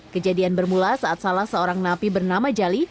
kejadian bermula saat salah seorang napi bernama jali